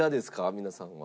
皆さんは。